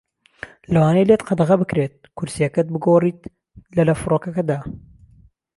لەوانەیە لێت قەدەغە بکرێت کورسیەکەت بگۆڕیت لە لە فڕۆکەکەدا.